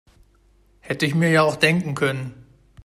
Hätte ich mir ja auch denken können.